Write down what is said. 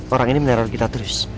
orang ini meneror kita terus